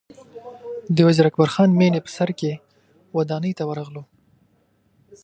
د وزیر اکبر خان مېنې په سر کې ودانۍ ته ورغلو.